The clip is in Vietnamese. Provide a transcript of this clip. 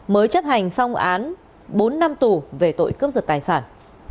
mới chấp hành xong án bốn năm tù về tội cướp giật tài sản